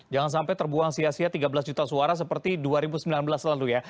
jangan sampai terbuang sia sia tiga belas juta suara seperti dua ribu sembilan belas lalu ya